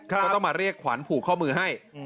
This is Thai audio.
ก็ต้องมาเรียกขวัญผูกข้อมือให้